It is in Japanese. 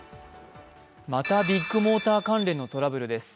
またビッグモーター関連のトラブルです